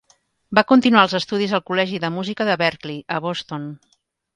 Va continuar els estudis al Col·legi de Música de Berklee, a Boston.